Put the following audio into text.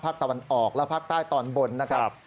ตะวันออกและภาคใต้ตอนบนนะครับ